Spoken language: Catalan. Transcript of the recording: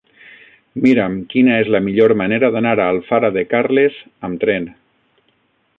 Mira'm quina és la millor manera d'anar a Alfara de Carles amb tren.